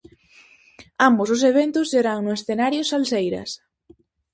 Ambos os eventos serán no escenario Salseiras.